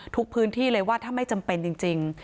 พื้นที่เลยว่าถ้าไม่จำเป็นจริง